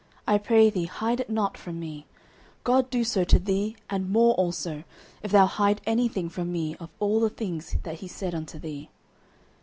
I pray thee hide it not from me: God do so to thee, and more also, if thou hide any thing from me of all the things that he said unto thee.